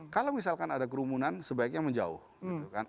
kalau misalkan ada kerumunan sebaiknya menjauh gitu kan